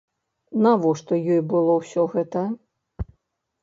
Навошта ёй было ўсё гэта?